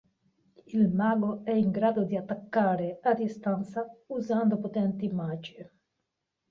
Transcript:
Il Mago è in grado di attaccare a distanza usando potenti magie.